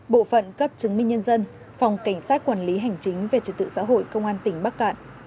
bộ phận cấp chứng minh nhân dân phòng cảnh sát quản lý hành chính về trật tự xã hội công an tỉnh bắc cạn